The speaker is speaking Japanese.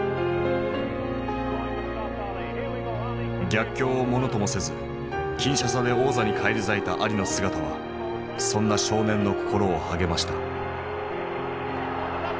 逆境をものともせずキンシャサで王座に返り咲いたアリの姿はそんな少年の心を励ました。